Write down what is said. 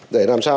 để làm sao